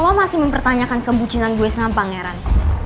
lo masih mempertanyakan kembucinan gue sama pangeran